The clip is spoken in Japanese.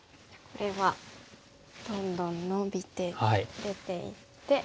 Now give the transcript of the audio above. これはどんどんノビて出ていって。